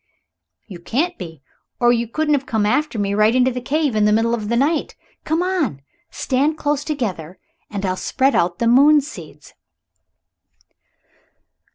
"You can't be or you couldn't have come after me right into the cave in the middle of the night. Come on. Stand close together and I'll spread out the moon seeds."